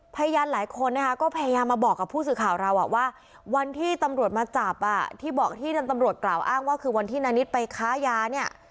พยานหลายคนนะคะก็พยายามมาบอกกับผู้สื่อข่าวเราว่าวันที่ตำรวจมาจับที่บอกที่ตำรวจกล่าวอ้างว่าคือวันที่นานิดไปค้ายาเนี่ย